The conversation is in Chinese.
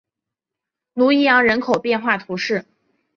努伊扬人口变化图示